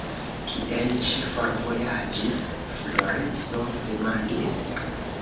Kien ŝi forvojaĝis? Floriso demandis.